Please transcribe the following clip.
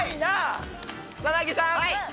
草薙さん。